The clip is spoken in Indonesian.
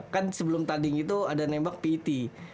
kan sebelum tanding itu ada nembak pet